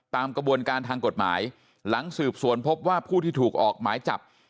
ตามกระบวนการทางกฎหมายหลังสืบสวนพบว่าผู้ที่ถูกออกหมายจับ